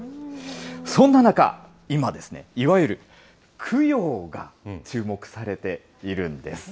そんな中、今ですね、いわゆる供養が注目されているんです。